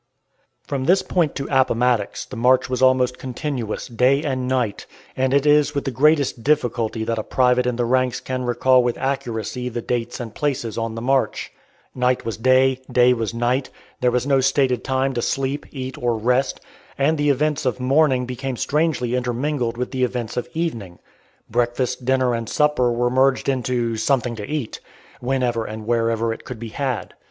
From this point to Appomattox the march was almost continuous, day and night, and it is with the greatest difficulty that a private in the ranks can recall with accuracy the dates and places on the march. Night was day day was night. There was no stated time to sleep, eat, or rest, and the events of morning became strangely intermingled with the events of evening. Breakfast, dinner, and supper were merged into "something to eat," whenever and wherever it could be had.